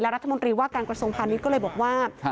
และรัฐมนตรีว่าการกระทรงพันธุ์นี้ก็เลยบอกว่า